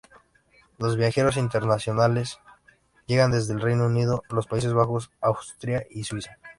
Los viajeros internacionales llegan desde el Reino Unido, los Países Bajos, Austria y Suiza.